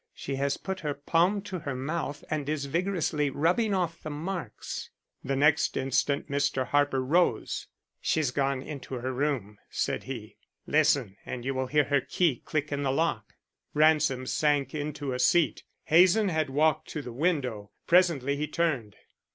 She has put her palm to her mouth and is vigorously rubbing off the marks." The next instant Mr. Harper rose. "She's gone into her room," said he. "Listen and you will hear her key click in the lock." Ransom sank into a seat; Hazen had walked to the window. Presently he turned.